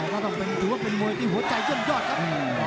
แต่ว่าเป็นงวยที่หัวใจยุ่นยอดครับ